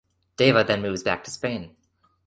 Deva then moves back to Spain.